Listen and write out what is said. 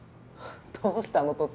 どうしたの？